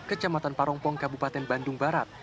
kecamatan parongpong kabupaten bandung barat